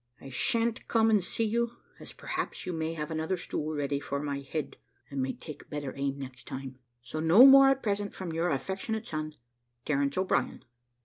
I sha'n't come and see you, as perhaps you may have another stool ready for my head, and may take better aim next time. So no more at present from your affectionate son, "`Terence O'Brien.'